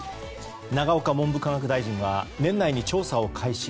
永岡文部科学大臣は年内に調査を開始。